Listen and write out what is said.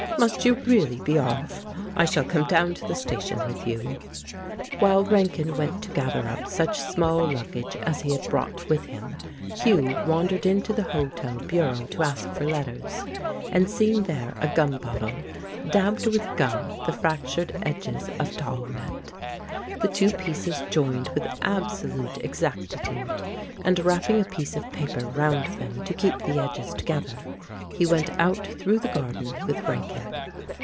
Must you really be off? I shall come down to the station with you." While Rankin went to gather up such small lug gage as he had brought with him, Hugh wandered into the hotel bureau to ask for letters, and seeing there a gum bottle, dabbed with gum the fractured edges of Tahu met. The two pieces joined with absolute exactitude, and wrapping a piece of paper round them to keep the edges together, he went out through the garden with Rankin.